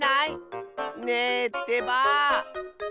ねえってばぁ！